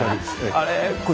あれ？